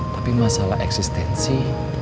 tapi masalah eksistensi